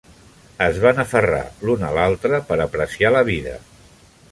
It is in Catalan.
Es van aferrar l'un a l'altre per apreciar la vida